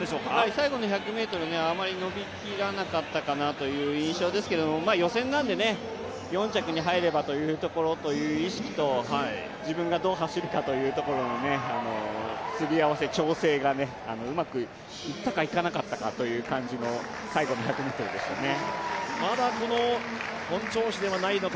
最後の１００ｍ、あまり伸びきらなかったかなという印象ですけれども予選なんで、４着に入ればというところという意識と自分がどう走るかというところのすり合わせ調整がうまくいったかいかなかったかという感じの最後の１００ｍでしたね。